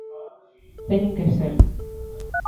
Teñen que selo.